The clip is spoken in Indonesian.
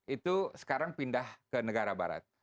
itu sekarang pindah ke negara barat